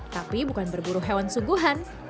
tapi bukan berburu hewan suguhan